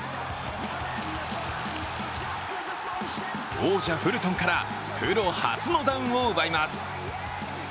王者・フルトンからプロ初のダウンを奪います。